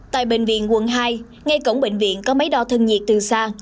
tại bệnh viện quận hai ngay cổng bệnh viện có máy đo thân nhiệt từ xa